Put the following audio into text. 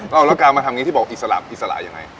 หรอแล้วการมาทำงี้ที่บอกอิสระอิสระยังไง